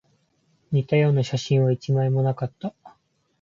似たような写真は一枚もなかった